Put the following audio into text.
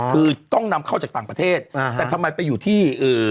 คือต้องนำเข้าจากต่างประเทศอ่าแต่ทำไมไปอยู่ที่เอ่อ